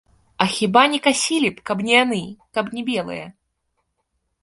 А хіба не касілі б, каб не яны, каб не белыя?